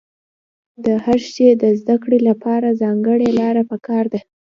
د هر شي د زده کړې له پاره ځانګړې لاره په کار ده.